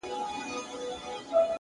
هر فکر یو تخم دی!